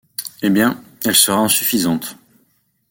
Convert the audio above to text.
Eh bien, elle sera insuffisante !